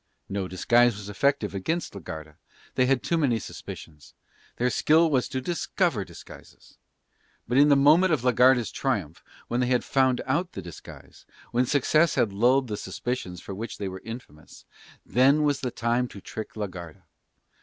No disguise was effective against la Garda, they had too many suspicions, their skill was to discover disguises. But in the moment of la Garda's triumph, when they had found out the disguise, when success had lulled the suspicions for which they were infamous, then was the time to trick la Garda.